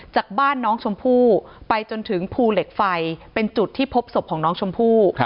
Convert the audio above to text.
จากบ้านน้องชมพู่ไปจนถึงภูเหล็กไฟเป็นจุดที่พบศพของน้องชมพู่